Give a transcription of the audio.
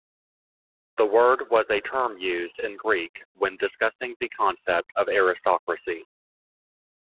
The word was a term used in Greek when discussing the concept of aristocracy.